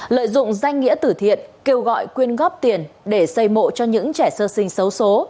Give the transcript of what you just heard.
lợi dụng danh nghĩa tử thiện kêu gọi quyên góp tiền để xây mộ cho những trẻ sơ sinh xấu xố